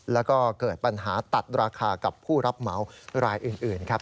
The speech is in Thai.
แล้วก็เกิดปัญหาตัดราคากับผู้รับเหมารายอื่นครับ